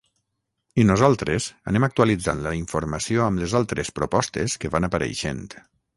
I nosaltres anem actualitzant la informació amb les altres propostes que van apareixent.